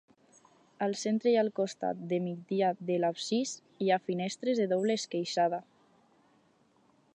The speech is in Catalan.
Al centre i al costat de migdia de l'absis hi ha finestres de doble esqueixada.